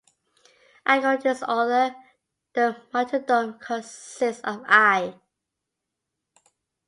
According to this author, "The Martyrdom" consists of: i.